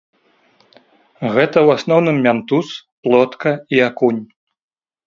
Гэта ў асноўным мянтуз, плотка і акунь.